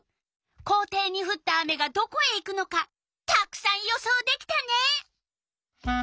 校庭にふった雨がどこへ行くのかたくさん予想できたね！